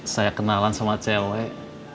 saya kenalan sama cewek